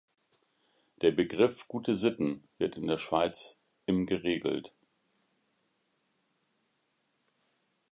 Der Begriff gute Sitten wird in der Schweiz im geregelt.